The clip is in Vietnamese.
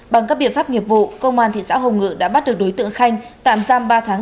bằng các biện pháp nghiệp vụ công an thị xã hồng ngự đã bắt được đối tượng khanh tạm giam ba tháng